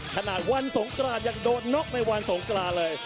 ขนาดวันสงกรานยังโดนน็อกในวันสงกรานเลย